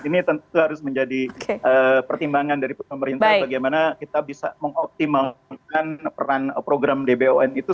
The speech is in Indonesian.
ini tentu harus menjadi pertimbangan dari pemerintah bagaimana kita bisa mengoptimalkan peran program dbon itu